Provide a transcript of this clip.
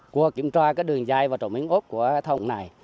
qua kiểm tra các đường dây và trộm miếng ốp của thông này